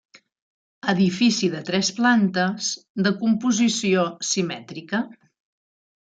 Edifici de tres plantes, de composició simètrica.